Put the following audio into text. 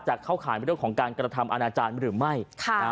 เข้าข่ายเรื่องของการกระทำอาณาจารย์หรือไม่